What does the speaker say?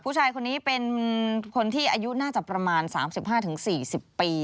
ผู้ชายคนนี้เป็นคนที่อายุน่าจะประมาณ๓๕๔๐ปี